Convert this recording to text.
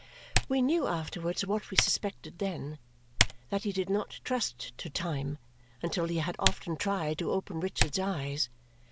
We knew afterwards what we suspected then, that he did not trust to time until he had often tried to open Richard's eyes.